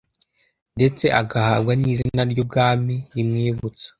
ndetse agahabwa n'izina ry'ubwami rimwibutsa